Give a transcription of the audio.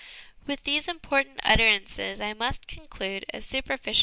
With these important utterances I must conclude a superfici?!